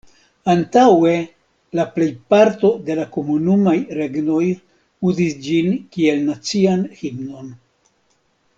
Antaŭe la plejparto de la Komunumaj Regnoj uzis ĝin kiel nacian himnon.